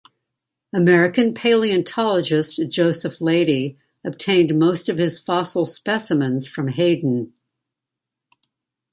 American paleontologist Joseph Leidy obtained most of his fossil specimens from Hayden.